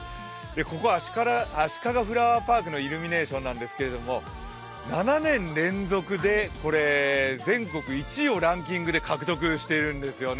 ここ、あしかがフラワーパークのイルミネーションですけれども、７年連続で全国１位をランキングで獲得してるんですよね。